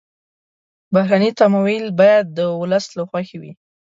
بهرني تمویل باید د ولس له خوښې وي.